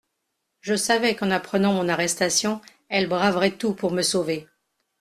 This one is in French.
Je savais qu'en apprenant mon arrestation elle braverait tout pour me sauver.